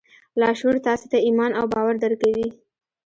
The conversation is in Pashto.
لاشعور تاسې ته ایمان او باور درکوي